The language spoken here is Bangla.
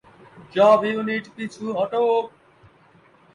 সব ইউনিট পিছু হটো!